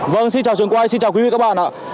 vâng xin chào xuân quay xin chào quý vị và các bạn ạ